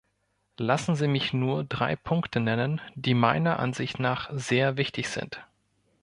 Lassen Sie mich nur drei Punkte nennen, die meiner Ansicht nach sehr wichtig sind.